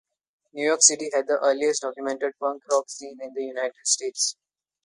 New York City had the earliest documented punk rock scene in the United States.